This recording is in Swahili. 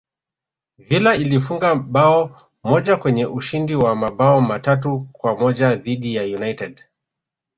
villa alifunga bao moja kwenye ushindi wa mabao matatu kwa moja dhidi ya united